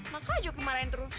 makanya aja aku dimarahin terus